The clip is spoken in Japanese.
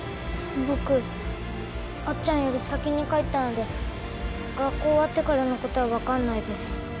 僕あっちゃんより先に帰ったので学校終わってからのことは分かんないです。